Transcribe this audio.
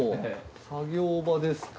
作業場ですか。